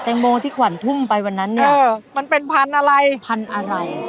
แตงโมที่ขวั่นทุ่มไปวันนั้นเนี่ย